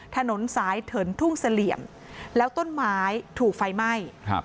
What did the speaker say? ถนนสายเถินทุ่งเสลี่ยมแล้วต้นไม้ถูกไฟไหม้ครับ